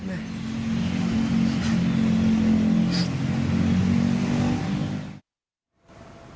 บ้านบึงครับ